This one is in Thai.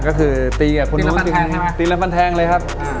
ก็คือตีกับมนุษย์ตีแล้วปั้นแทงใช่ไหมตีแล้วปั้นแทงเลยครับ